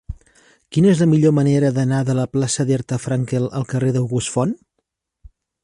Quina és la millor manera d'anar de la plaça d'Herta Frankel al carrer d'August Font?